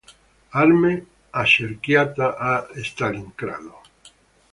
Armee accerchiata a Stalingrado.